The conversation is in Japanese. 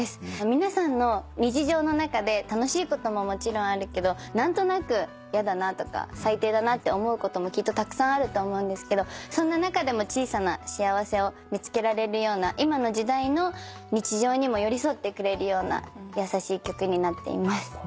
皆さんの日常の中で楽しいことももちろんあるけど何となくやだなとか最低だなって思うこともきっとたくさんあると思うんですけどそんな中でも小さな幸せを見つけられるような今の時代の日常にも寄り添ってくれるような優しい曲になっています。